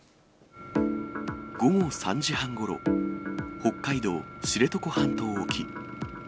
午後３時半ごろ、北海道知床半島沖。